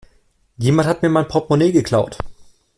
Jemand hat mir mein Portmonee geklaut.